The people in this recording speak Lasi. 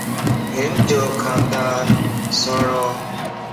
ھنَ جو خاندان سھڻوَ